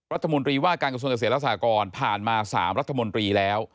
รัฐมนตรีว่าการกระทรวงเกษตรและสากรผ่านมา๓รัฐมนตรีแล้ว